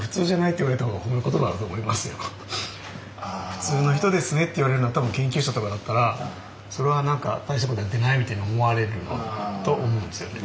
「普通の人ですね」って言われるのは多分研究者とかだったらそれは大したことやってないみたいに思われると思うんですよね。